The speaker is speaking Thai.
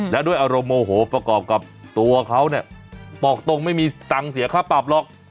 และด้วยอารมณ์โมโหประกอบกับตัวเขาเนี่ยบอกตรงไม่มีตังค์เสียค่าปรับหรอก